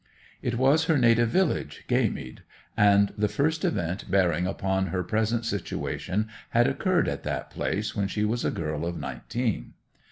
It was her native village, Gaymead, and the first event bearing upon her present situation had occurred at that place when she was only a girl of nineteen.